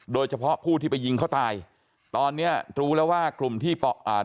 โดยเฉพาะผู้ที่ไปยิงเขาตายตอนเนี้ยรู้แล้วว่ากลุ่มที่อ่า